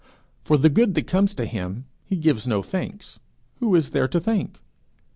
For the good that comes to him, he gives no thanks who is there to thank?